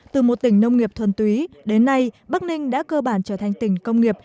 từ một tỉnh nông nghiệp thuần túy đến nay bắc ninh đã cơ bản trở thành tỉnh công nghiệp